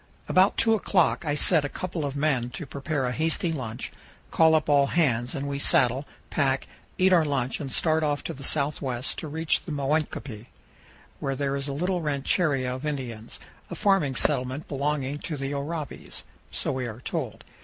About two o'clock I set a couple of men to prepare a hasty lunch, call up all hands, and we saddle, pack, eat our lunch, and start off to the southwest to reach OVER THE RIVER. 335 the Moenkopi, where there is a little ranchería of Indians, a farming settlement belonging to the Oraibis, so we are told.